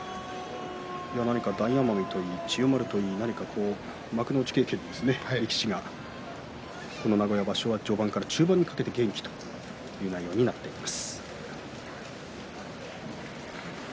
大奄美といい千代丸といい幕内経験のある力士がこの名古屋場所は序盤から中盤にかけて元気という内容になっています。